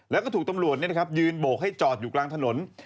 แล้วก็ถูกตำรวจยืนโบกให้จอดอยู่กลางถนน